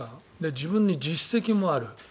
自分に実績もある。